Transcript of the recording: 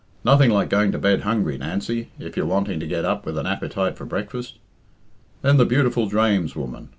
Nothing like going to bed hungry, Nancy, if you're wanting to get up with an appetite for breakfast. Then the beautiful drames, woman!